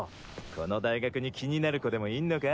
この大学に気になる娘でもいんのか？